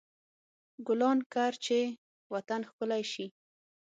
ګلان کر، چې وطن ښکلی شي.